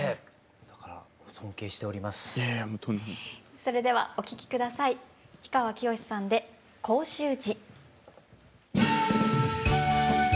それではお聴き下さい氷川きよしさんで「甲州路」。